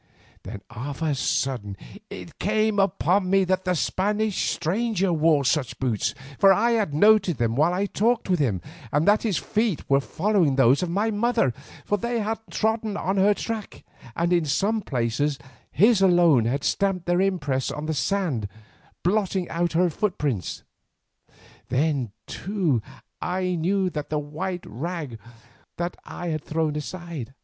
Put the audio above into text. Then, of a sudden, it came upon me that the Spanish stranger wore such boots, for I had noted them while I talked with him, and that his feet were following those of my mother, for they had trodden on her track, and in some places, his alone had stamped their impress on the sand blotting out her footprints. Then, too, I knew what the white rag was that I had thrown aside.